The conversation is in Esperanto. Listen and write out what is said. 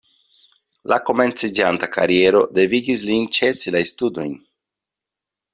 La komenciĝanta kariero devigis lin ĉesi la studojn.